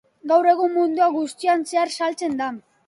Gaur egun, mundu guztian zehar saltzen da.